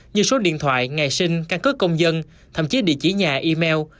như số điện thoại ngày sinh căn cứ công dân thậm chí địa chỉ nhà email